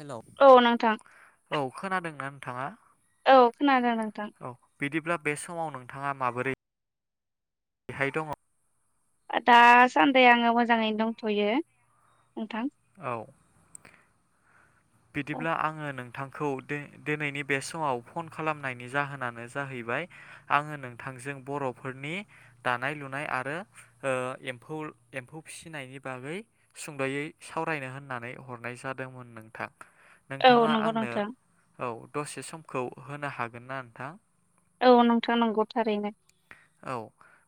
हेल' औ खोनादोंना नोंथाङा? औ खोनादों नोंथां। औ बिदिब्ला बे समाव नोंथाङा माबोरै बेहाय दङ? दासान्दि आङो मोजाङैनो दंथ'यो नोंथां। औ। बिदिब्ला आङो नों थांखौ दि-दिनैनि बे समाव फन खालामनायनि जाहोनानो जाहैबाय आङो नोंथां जों बर'फोरनि दानाय लुनाय आरो ओ एम्फौ एम्फौ फिसिनायनि बा गै सुंद'यै सावरायनो होननानै हरनाय जादोंमोन नोंथां। औ नोंथाङा नंगौ आंनो नोंथां औ दसे समखौ होनो हागोन ना नोंथां? औ नोंथां नंगौ थारैनो। [inaudible] औ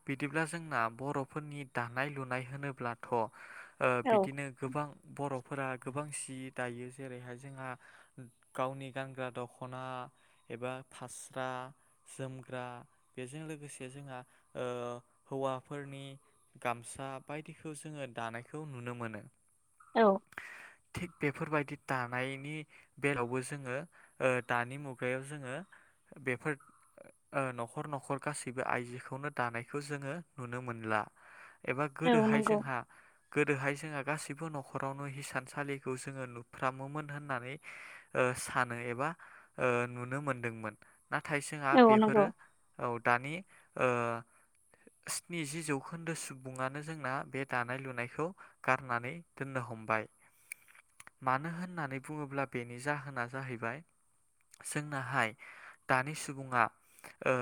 बिदिब्ला जोंना बर'फोरनि दानाय लुनाय होनोब्लाथ' ओह औ बिदिनो गोबां बर' फोरा गोबां सि दायो जेरैहाय जोंहा गावनि गानग्रा दख'ना एबा फास्रा जोमग्रा बेजों लोगो से जोंहा ओ हौवाफोरनि गामसा बायदिखौ जोङो दानायखौ नुनो मोनो। औ। थिग बेफोरबायदि दानायनि बेलायावबो जोङो ओ दानि मुगायाव जोङो बेफोर ओ न'खर न'खर गासैबो आइजोखौनो दानायखौ जोङो नुनो मोनला एबा औ गोदोहाय नंगौ जोंहा गोदोहाय जोंहा गासिबो न'खरावनो हिसानसालिखौ जोङो नुफ्रामोमोन होननानै ओ सानो एबा ओ नुनो मोनदोंमोन नाथाय जोंहा औ नंगौ बेफोरो औ दानि ओ स्निजि जौखोन्दो सुबुङानो जोंना बे दानाय लुनायखौ गारनानै दोननो हमबाय। मानो होननानै बुङोब्ला बेनि जाहोना जाहैबाय जोंनाहाय दानि सुबुङा ओ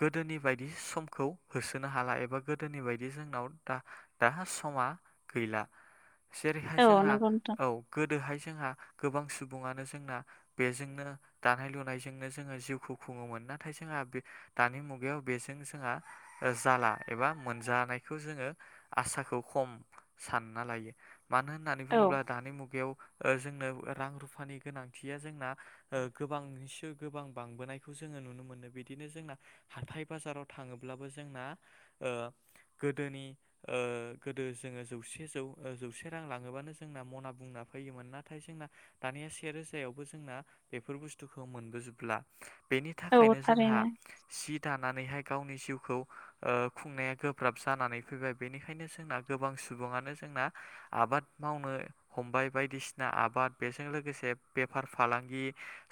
गोदोनि बायदि समखौ होसोनो हाला एबा गोदोनि बायदि जोंनाव दा दा सम आ गैला जेरैहाय औ जोंहा नंगौ नोंथां औ गोदोहाय जोंहा गोबां सुबुङानो जोंना बेजोंनो दानाय लुनायजोंनो जोङो जिउखौ खुङोमोन नाथाय जोंहा दा बे दानि मुगायाव बेजों जोंहा जाला एबा मोनजानायखौ जोङो आसाखौ खम सानना लायो मानो होननानै औ बुङोब्ला दानि मुगायाव ओ जोंनो रां रुफानि गोनांथिया जोंना ओ गोबांनिसो गोबां बांबोनायखौ जोङो नुनो मोनो बे बिदिनो जोंना हाथाय बाजाराव थाङोब्लाबो जोंना ओ गोदोनि ओ गोद ओ जोङो जौसे जौ जौसे रां लाङोबानो जोंना मना बुंना फैयोमोन नाथाय जोंना दानिया से रोजायावबो जोंना बेफोर बुस्थुखौ मोनबोजोबला बेनि औ थाखायनो जोंहा थारैनो जि दानानैहाय गावनि जिउखौ ओ खुंनाया गोब्राब जानानै फैबाय बेनिखायनो जोंना गोबां सुबुङानो जोंना आबाद मावनो हमबाय बायदिसिना आबाद बेजों लोगोसे बेफार फालांगि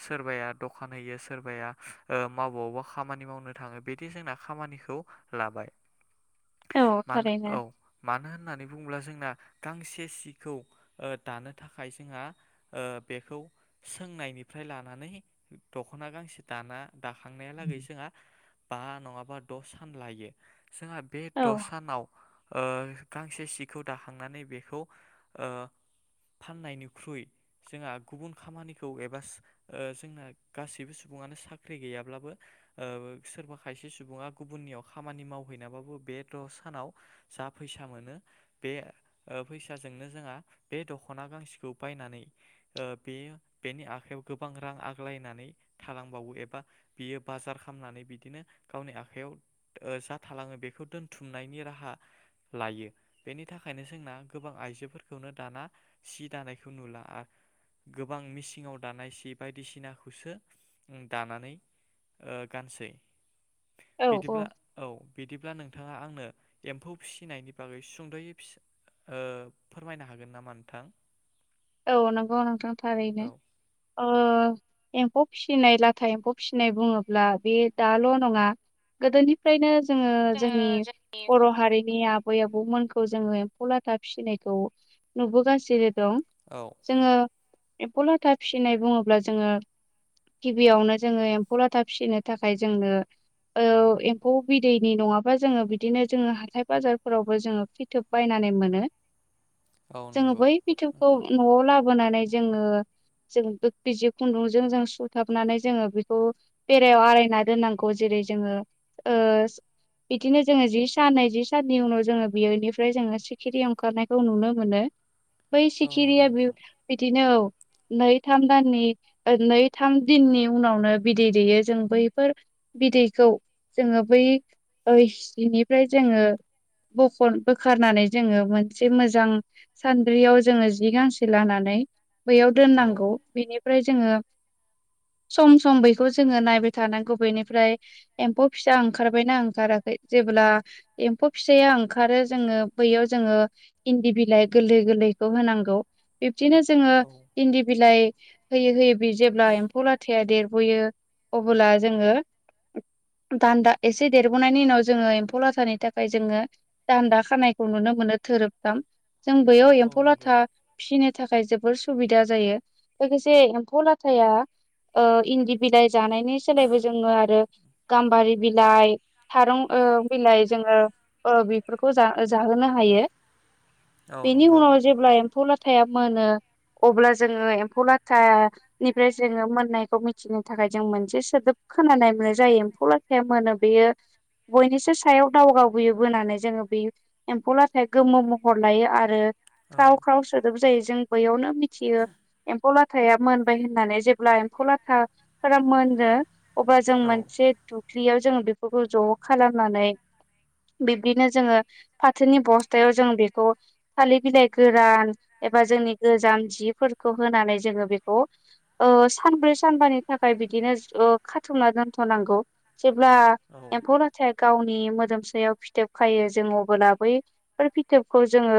सोरबाया दखान होयो सोरबाया ओ मावबावबा खामानि मावनो थाङो बिदि जोंना खामानिखौ लाबाय औ मानो थारैनो औ मानो होननानै बुङोब्ला जोंना गांसे सिखौ ओ दानो थाखाय जोंहा ओ बेखौ सोंनाय निफ्राय लानानै दखना गांसे दाना दाखांनाया लागै जोंहा बा नङाबा द' सान लायो जोंहा बे औ द सानाव ओ गांसे सिखौ दाखांनानै बेखौ ओ फाननायनिख्रुइ जोंहा गुबुन खामानिखौ एबा जोंना गासैबो सुबुङानो साख्रि गैयाब्लाबो ओ सोरबा खायसे सुबुङा गुबुननियाव खामानि मावहैनाबाबो बे द' सानाव जा फैसा फैसा मोनो बे ओ फैसाजोंनो जोंहा बे दख'ना गांसेखौ बायनानै ओ बे बेनि आखायाव गोबां रां आग्लायनानै थालांबावो एबा बियो बाजार खालामनानै बिदिनो गावनि आखयाव ओ जा थालाङो बेखौ दोनथुमनायनि राहा लायो बेनि थाखायनो जोंना गोबां आइजोफोरखौनो दाना सि दानायखौ नुला आरो। गोबां मिसिनाव दानाय सि बायदिसिनाखौसो दानानै ओ गानसै बिदिब्ला औ बिदिब्ला नों नोंथाङा आंनो एम्फौ फिसिनायनि बागै सुंद'यै फिसा ओ फोरमायनो हागोन नामा नोंथां? औ नंगौ नोंथां थारैनो। औ ओ एम्फौ फिसिनाय लाथा एम्फौ फिसिनाय बुङोब्ला बे दाल' नङा गोदोनिफ्रायनो जोङो जोंनि बर' हारिनि आब आबै आबौमोनखौ जोङो एम्फौ लाथा फिसिनायखौ नुबोगासिनो दं। औ जोङो एम्फौ लाथा फिसिनाय बुङोब्ला जोङो गिबियावनो जोङो एम्फौ लाथा फिसिनो थाखाय जोंनो ओ एम्फौ बिदैनि नङाबा जोङो बिदिनो जोङो हाथाय बाजारफोरावबो जोङो फिथोब बायना नानै मोनो औ जोङो नंगौ बै बिथौखौ नोंथां न'आव लाबोनानै जोङो जोंङो बिजि खुन्दुंजों जों सुंथाबनानै जोङो बेखौ बेरायाव आरायना दोननांगौ जेरै दि जोङो ओ बिदिनो जोङो जि सान नैजि साननि उनाव जोङो बिनिफ्राय जोङो सिखिरि ओंखारनायखौ नुनो मोनो। बै औ नंगौ सिखिरिया बिउ नोंथां बिदिनो औ। नै थाम दाननि ओ नै थाम दिननि उनावनो बिदै दैेयो जों बैफोर बिदैखौ जोङो बै ओ जिफ्राय जोङो बख बोखारनानै जोङो मोनसे मोजां सानद्रियाव जोङो जि गांसे लानानै बैयाव औ दोननांगौ बिनिफ्राय जोङो सम सम बेखौ जोङो नायबाय थानांगौ बेनिफ्राय एम्फौ फिसा ओंखारबायना ओंखाराख खै जेब्ला एम्फौ फिसाया ओंखारो जोङो बैयाव जोङो इन्दि बिलाइ गोरलै-गोरलै खौ होनांगौ बिब्दिनो जोङो औ इन्दि बिलाइ होयै होयै बे जेब्ला एम्फौ लाथाया देरबोयो अबोब्ला जोङो हम,, दान्दा, एसे देरबोनायनि उनाव जोङो एम्फौ लाथानि थाखाय जोङो दान्दा खानायखौ नुनो मोनो थोरोबथाम। जों बैयाव औ एम्फौ नंगौ लाथा फिसिनो थाखाय जोब बोर सुबिदा जायो। लोगोसे एम्फौ लाथाया ओ इन्दि बिलाइ जानायनि सोलायबो जोङो आरो, गाम्बारि बिलाइ थारं बिलाइ जोङो बेफोरखौ जाहो जाहोनो हायो। औ बेनि नंगौ। उनाव जेब्ला एम्फौ लाथाया मोनो। अब्ला जोङो एम्फौ लाथानिफ्राय जोङो मोननायखौ मिथिनो थाखाय जों मोनसे सोदोब खोना नाय मोननाय जायो, एम्फौ लाथाया मोनो बेयो बयनिसो सायाव दावगाबोयो बोनानै जोङो बे एम्फौ लाथाया गोमो महर लायो आरो औ ख्राव ख्राव सोदोब जों बियावनो मिथियो एमफौ लाथा मोनबाय होननानै जेब्ला एम्फौ लाथाफोरा मोनो अब्ला जों औ मोनसे दुख्लियाव जों बेफोरखौ ज' खालामनानै बिब्दिनो जोङो फाथोनि बस्थायाव जों बेखौ थालिर बिलाइजों गोरान एबा जोंनि गोजाम जिफोरखौ होनानै जोङो बेखौ सानब्रै सानबानि थाखाय बिदिनो खाथुमना दोनथ'नांगौ जेब्ला औ एम्फौ लाथाया गावनि मोदोमसायाव फिथोब खायो। जों अबोला बैफोर फिथोबखौ जोङो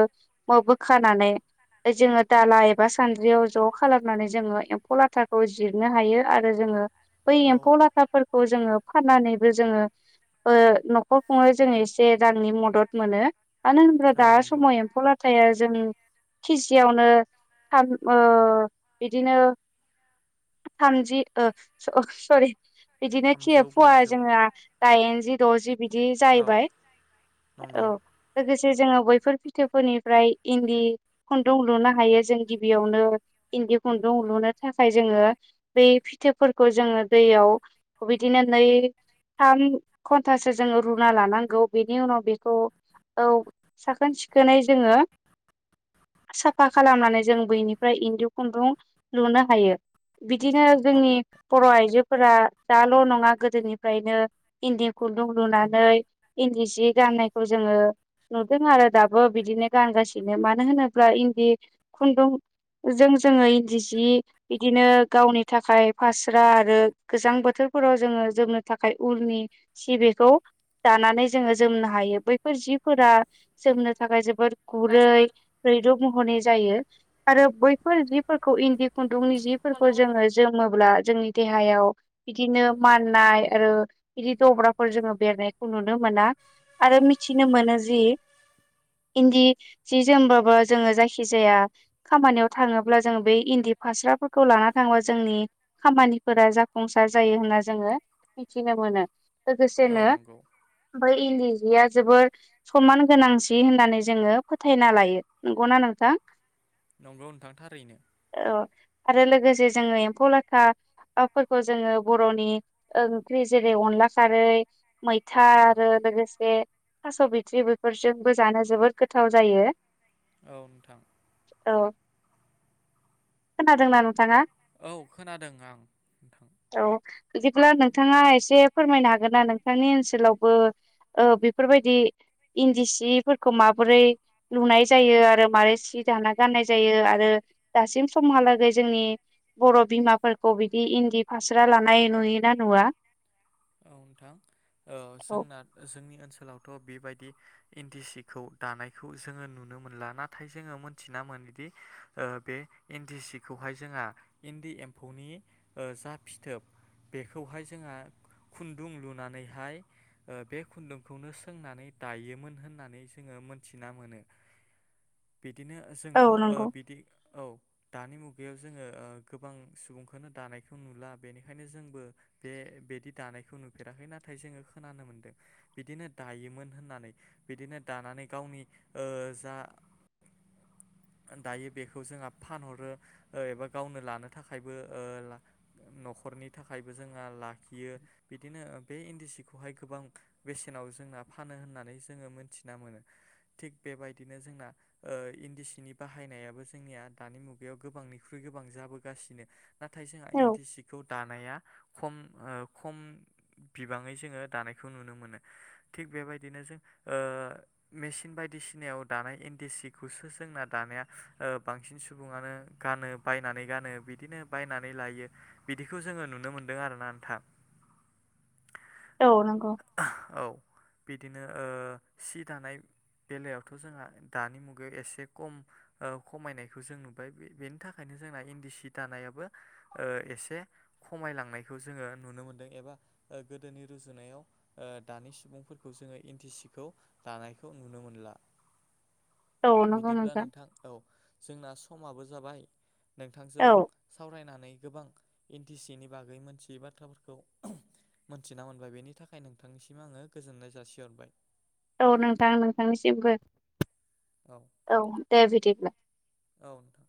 खानानानै जोङो दाला एबा सानद्रियाव ज' खालामनानै जोङो एम्फौ लाथाखौ जिरनो हायो आरो जोङो बै औ एम्फौ लाथाफोर खौ जोङो फाननानैबो जोङो ओ न'खर खुङै जोङो एसे रांनि मदद मोनो मानो होनोब्रा औ दा नंगौ समाव एम्फौ लाथाया जों केजियावनो थाम ओ बिदिनो थामजि ओ स-सरि बिदिनो खि थामजौ फुवा ब्रैजौ जोंहा दाइनजि द'जि बिदि औ जाहैबाय औ नंगौ लोगोसे जोङो बैफोर फिथोफोरनिफ्राय इन्दि खुन्दुं लुनो हायो जों गिबियावनो इन्दि खुन्दुं लुनो थाखाय जोङो बे फिथोबफोरखौ जोङो दैयाव बिदिनो नै थाम घन्टासो जोङो रुना लानांगौ बेनि उनाव बेखौ औ साखोन सिखोनै जोङो [unintelligible] साफा खालामनानै जों बैनिफ्राय इन्दि खुन्दुं लुनो हायो बिदिनो जोंनि बर' आइजोफोरा दाल' नङा गोदोनिफ्रायनो इन्दि खु खुन्दुं लुनानै इन्दि सि गाननायखौ जोङो नुदों आरो दाबो बिदिनो गानगासिनो मानो होनोब्ला इन्दि खुन्दुं जों जोङो इन्दि सि बिदिनो गावनि थाखाय फास्रा आरो गोजां बोथोर फोराव जोङो जोबनो थाखाय उलनि सि बेखौ दानानै जोङो जोमनो हायो बैफोर जिफोरा जोमनो थाखाय जोबोद गुरै रैरुब महरै जायो आरो बैफोर जिफोरखौ इन्दि खुन दुंनि जिफोरखौ जोङो जोमोब्ला जोंनि देहायाव बिदिनो औ माननाय आरो बिदि दब्राफोर जोङो बेरनायखौ नुनो मोना आरो मिथिनो मोनो जि इन्दि जि जोमबाबो जोङो जायखि जाया खामानियाव थाङोब्ला जोङो बेै इन्दि फास्राफोरखौ ला लाना थांबा जोंनि खामानिफोरा जाफुंसार जायो होनना जोङो मिथिनो मोनो लोगोसेनो नंगौ बै इन्दि या जोबोर सनमान गोनांसि होननानै जोङो फोथायना लायो नंगौना नोंथां नंगौ नोंथां थारैनो औ आरो लोगोसे जोङो एम्फौ लाथा ओफोरखौ जोङो बर'नि ओंख्रि जेरै अन ला खारै मैथा औ आरो लोगोसे थास' बिथ्रि बेफोरजोंबो जानो जोबोद गो थाव जायो। औ नोंथां औ [inaudible] खोनादोंना नोंथाङा? औ खोनादों आं नोंथां। औ बिदिब्ला नोंथाङा एसे फोरमायनो हागोन ना नोंथांनि ओनसोलावबो ओ बेफोरबायदि इन्दि सिफोरखौ मा बोरै लुनाय जायो आरो मारै सि दाना गाननाय जायो आरो दासिम समहालागै जोंनि बर' बिमाफोरखौ बिदि इन्दि फास्रा लानाय नुयोना नुवा? औ नोंथां ओ औ जोंना जोंनि ओनसो सोलावथ' बेबायदि इन्दि सिखौ दानायखौ जोङो नुनो मोनला नाथाय जोङो मोनथिना मोनो दि ओ बे इन्दि सिखौहाय जोंहा इन्दि एम्फौनि ओ जा फि थोब बेखौहाय जोंहा खुन्दुं लुनानैहाय ओ बे खुन्दुंखौनो सोंनानै दायोमोन होननानै जोङो मोनथिना मोनो। बिदिनो औ जोंथ' ओ नंगौ बिदि औ दानि मुगायाव जोङो ओ गोबां सुबुंखौनो दानायखौ नुला बेनिखायनो जोंबो बे बेदि दानायखौ नुफेराखै नाथाय जोङो खोनानो मोन्दों बिदिनो दायोमोन होननानै बिदिनो दाना नै गावनि ओ जा दायो बेखौ जोंहा फानहरो ओ एबा गावनो लानो थाखायबो ओ नखरनि थाखायबो जोंहा लाखियो। बिदिनो ओह बे इन्दि सिखौहाय गोबां बेसेनाव जोंना फानो होननानै जोङो मोनथिना मोनो। थिग बेबायदिनो जोंना ओह इन्दि सिनि बाहायनायाबो जोंनिया दानि मुगायाव गोबां निख्रुय गोबां जाबोगासिनो नाथाय जोंहा औ इन्दि सिखौ दानाया खम ओ खम बिबाङै जोङो दानायखौ नुनोमोनो थिग बेबायदिनो जों ओ मेसिन बायदिसिनायाव दानाय इन्दि सिखौसो जोंना दानाया ओह बांसिन सुबुङानो गानो बायनानै गानो बिदिनो बायनानै लायो बिदिखौ जोङो नुनोमोन्दों आरोना आनोंथां। औ नंगौ। औ बिदिनो ओह सि दानाय बेलायावथ' जोंहा दानि मुगायाव एसे कम ओ खमायनायखौ जों नुबाय बे बेनि थाखायनो जोंना इन्दि सि दानायाबो ओ एसे खमायलांनायखौ जोङो नुनो मोन दों एबा ओ गोदोनि रुजुनायाव ओ दानि सुबुंफोरखौ जोङो इन्दि सिखौ दानाय खौ नुनो मोनला। औ नंगौ बिदिब्ला नोंथां औ जोंना समाबो जाबाय। नोंथांजौ औ सावरायनानै गोबां इन्दि सिनि बागै मोनथियै बाथ्राफोरखौ मोनथिना मोनबाय बेनि थाखाय नोंथांनिसिम आङो गोजोननाय जासिहरबाय। औ नोंथां नोंथांनिसिमबो [inaudible] औ दे बिदिब्ला। औ नोंथां